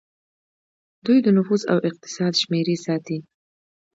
دوی د نفوس او اقتصاد شمیرې ساتي.